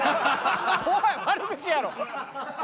おい悪口やろ！